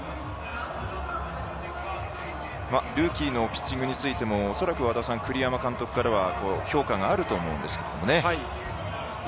ルーキーのピッチングについても恐らく栗山監督から評価があると思いますけれどもね。